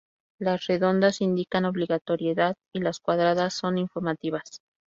Las redondas indican obligatoriedad y las cuadradas son informativas.